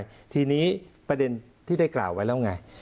เราก็เข้าใจทีนี้ประเด็นที่ได้กล่าวไว้แล้วไง